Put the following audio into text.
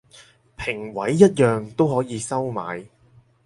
評委一樣都可以收買